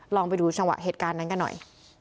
ลองไปดูเฉพาะเหตุการณ์นั้นก็หน่อย